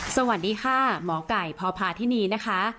สวัสดีค่ะหมอไก่พพาธินีนะคะ